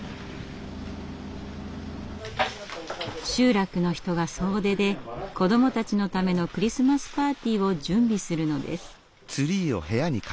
集落の人が総出で子どもたちのためのクリスマスパーティーを準備するのです。